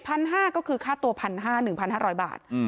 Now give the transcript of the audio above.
เรท๑๕๐๐ก็คือค่าตัว๑๕๐๐๑๕๐๐บาท